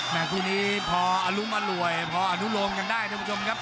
คู่นี้พออรุมอร่วยพออนุโลมกันได้ท่านผู้ชมครับ